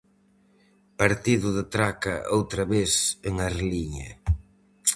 Partido de traca outra vez en Arliña.